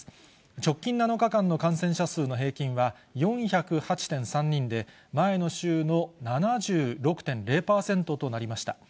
直近７日間の感染者数の平均は４０８．３人で、前の週の７６．０％となりました。